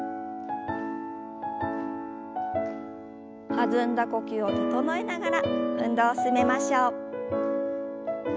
弾んだ呼吸を整えながら運動を進めましょう。